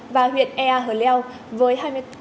và huyện ea hờ leo với hai mươi